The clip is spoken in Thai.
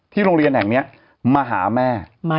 โรงเรียนแห่งนี้มาหาแม่